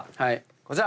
こちら！